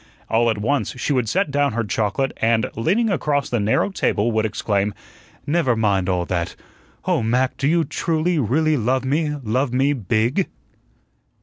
All at once she would set down her chocolate, and, leaning across the narrow table, would exclaim: "Never mind all that! Oh, Mac, do you truly, really love me love me BIG?"